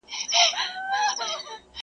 له آشنا لاري به ولي راستنېږم،